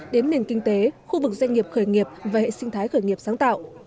đến nền kinh tế khu vực doanh nghiệp khởi nghiệp và hệ sinh thái khởi nghiệp sáng tạo